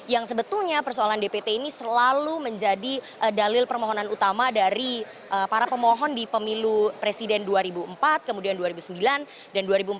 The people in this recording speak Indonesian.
yang sebetulnya persoalan dpt ini selalu menjadi dalil permohonan utama dari para pemohon di pemilu presiden dua ribu empat kemudian dua ribu sembilan dan dua ribu empat belas